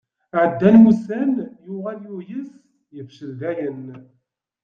Ɛeddan wussan, yuɣal yuyes, yefcel dayen.